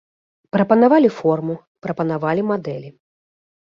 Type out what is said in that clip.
Прапанавалі форму, прапанавалі мадэлі.